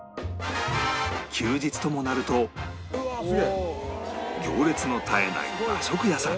休日ともなると行列の絶えない和食屋さん